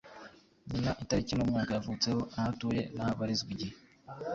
nyina, itariki n’umwaka yavutseho, aho atuye n’aho abarizwa igihe